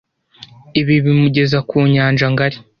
ibi bimugeza ku nyanja ngari